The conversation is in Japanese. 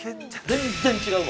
◆全然違う！